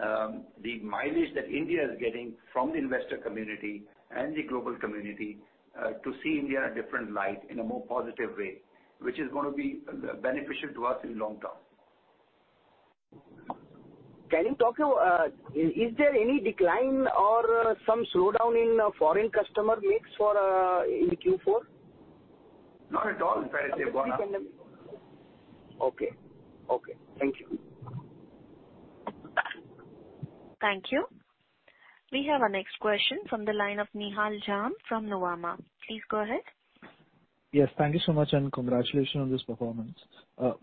mileage that India is getting from the investor community and the global community to see India in a different light, in a more positive way, which is gonna be beneficial to us in long term. Can you talk about, is there any decline or some slowdown in foreign customer mix for, in Q4? Not at all. In fact, it's gone up. Okay. Okay. Thank you. Thank you. We have our next question from the line of Nihal Jham from Nuvama. Please go ahead. Yes. Thank you so much, and congratulations on this performance.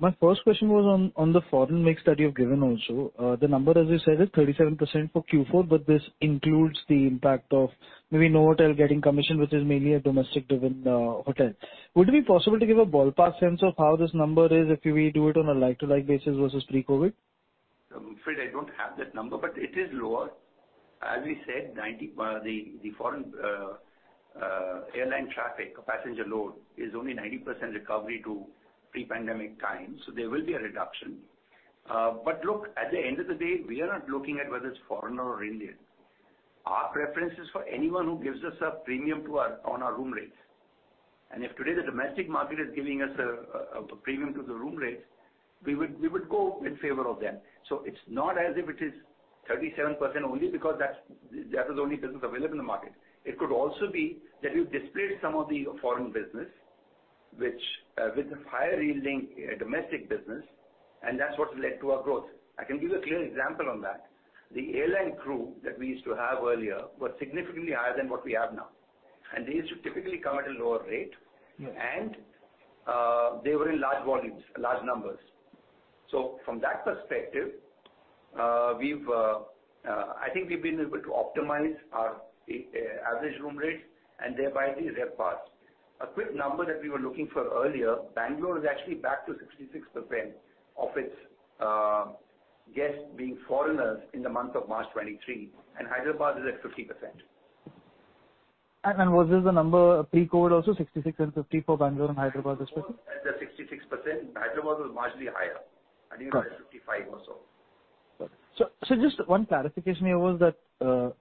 My first question was on the foreign mix that you've given also. The number, as you said, is 37% for Q4, but this includes the impact of maybe no hotel getting commission, which is mainly a domestic-driven, hotel. Would it be possible to give a ballpark sense of how this number is if we do it on a like-to-like basis versus pre-COVID? I'm afraid I don't have that number, it is lower. As we said, the foreign airline traffic or passenger load is only 90% recovery to pre-pandemic times, there will be a reduction. Look, at the end of the day, we are not looking at whether it's foreign or Indian. Our preference is for anyone who gives us a premium on our room rates. If today the domestic market is giving us a premium to the room rates, we would go in favor of them. It's not as if it is 37% only because that was the only business available in the market. It could also be that you displaced some of the foreign business, which with the higher yielding domestic business, that's what led to our growth. I can give you a clear example on that. The airline crew that we used to have earlier were significantly higher than what we have now. These two typically come at a lower rate. Yeah. They were in large volumes, large numbers. From that perspective, I think we've been able to optimize our average room rate and thereby the RevPARs. A quick number that we were looking for earlier, Bangalore is actually back to 66% of its guests being foreigners in the month of March 2023, and Hyderabad is at 50%. was this the number pre-COVID also, 66 and 50 for Bangalore and Hyderabad as well? At the 66%, Hyderabad was marginally higher. Got it. I think it was at 55 or so. Just one clarification here was that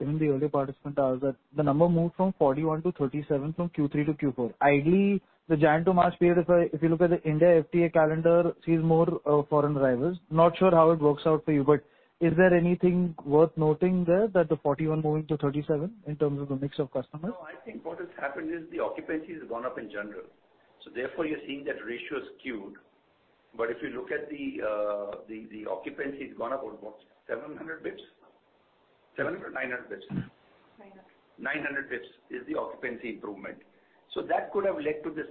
even the earlier participant asked that the number moved from 41 to 37 from Q3 to Q4. Ideally, the January to March period, if you look at the India FTA calendar, sees more foreign arrivals. Not sure how it works out for you, but is there anything worth noting there that the 41 moving to 37 in terms of the mix of customers? I think what has happened is the occupancy has gone up in general, therefore you're seeing that ratio is skewed. If you look at the occupancy has gone up about what, 700 basis points? 700 or 900 basis points? 900. 900 basis points is the occupancy improvement. That could have led to this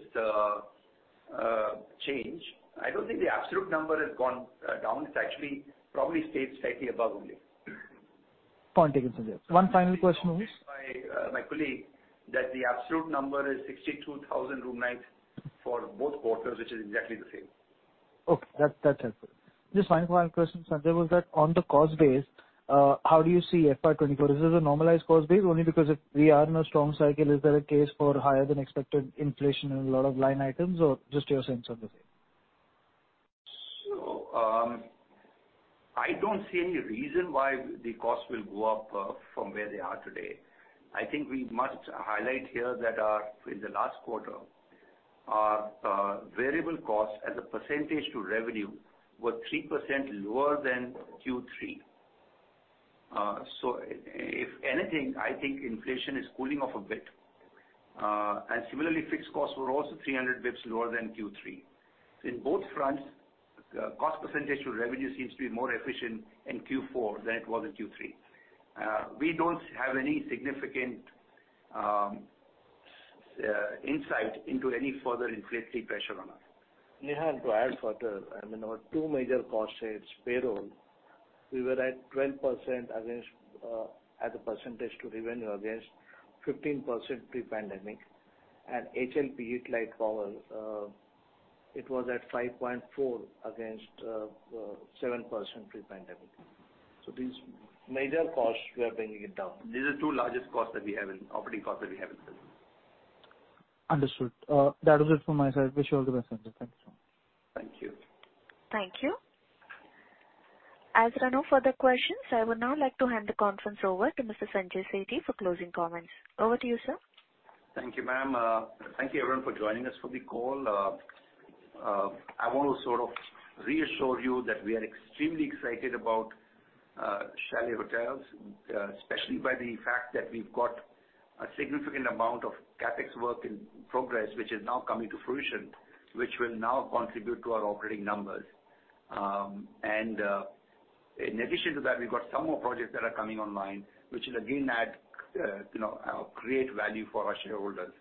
change. I don't think the absolute number has gone down. It's actually probably stayed slightly above only. Point taken, Sanjay. One final question only. By, my colleague that the absolute number is 62,000 room nights for both quarters, which is exactly the same. Okay, that's helpful. Just one final question, Sanjay, was that on the cost base, how do you see FY 2024? Is this a normalized cost base only because if we are in a strong cycle, is there a case for higher than expected inflation in a lot of line items or just your sense of the same? I don't see any reason why the costs will go up from where they are today. I think we must highlight here that in the last quarter, our variable costs as a percentage to revenue were 3% lower than Q3. If anything, I think inflation is cooling off a bit. And similarly, fixed costs were also 300 bits lower than Q3. In both fronts, cost percentage to revenue seems to be more efficient in Q4 than it was in Q3. We don't have any significant insight into any further inflationary pressure on us. Nihal, to add further, I mean, our two major cost saves, payroll, we were at 12% against, as a percentage to revenue against 15% pre-pandemic, and HLP heat light power, it was at 5.4% against 7% pre-pandemic. These major costs, we are bringing it down. These are two largest costs that we have operating costs that we have in the business. Understood. That was it from my side. Wish you all the best, Sanjay. Thank you so much. Thank you. Thank you. As there are no further questions, I would now like to hand the conference over to Mr. Sanjay Sethi for closing comments. Over to you, sir. k you everyone for joining us for the call. I want to sort of reassure you that we are extremely excited about Chalet Hotels, especially by the fact that we've got a significant amount of CapEx work in progress, which is now coming to fruition, which will now contribute to our operating numbers. In addition to that, we've got some more projects that are coming online, which will again add, you know, create value for our shareholders.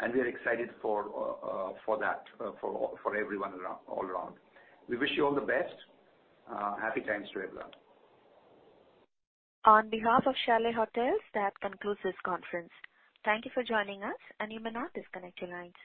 And we are excited for that for everyone around, all around. We wish you all the best. Happy times to everyone. On behalf of Chalet Hotels, that concludes this conference. Thank you for joining us, and you may now disconnect your lines.